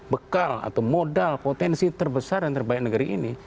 bekal atau modal potensi terbesar dan terbaik negeri ini